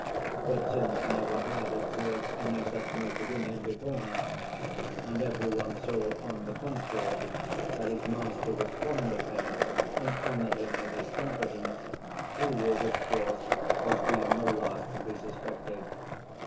But since no one had observed any such motive in him beforehand, and every one saw, on the contrary, that his master was fond of him and honored him with his confidence, he would, of course, have been the last to be suspected.